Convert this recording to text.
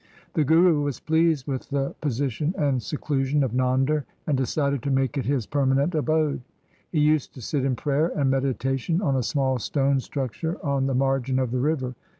The Guru was pleased with the position and seclusion of Nander, and decided to make it his permanent abode. He used to sit in prayer and meditation on a small stone structure on the margin of the river.